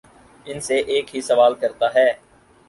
ان سے ایک ہی سوال کرتا ہے